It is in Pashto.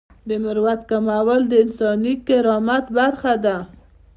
د مرارت کمول د انساني کرامت برخه ده.